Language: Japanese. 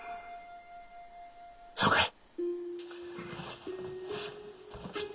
そうかい。